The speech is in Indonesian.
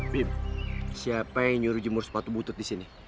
bim siapa yang nyuruh jemur sepatu butut di sini